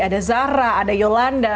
ada zara ada yolanda